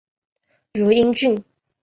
汝阴郡。